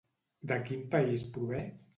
De quin país prové?